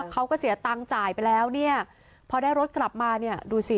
เขาก็เสียตังค์จ่ายไปแล้วเนี่ยพอได้รถกลับมาเนี่ยดูสิ